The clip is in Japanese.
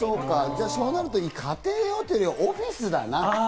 そうなると家庭用というよりは、オフィスだな。